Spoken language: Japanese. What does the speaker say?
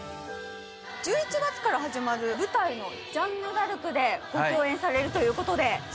１１月から始まる舞台の「ジャンヌダルク」で共演されるということで。